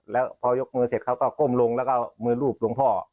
แล้วพอยกมือเสร็จเขาก็ก้มลงแล้วก็เอามือรูปหลวงพ่อ